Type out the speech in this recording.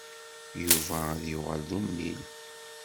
Yuba ad yuɣal d ummil.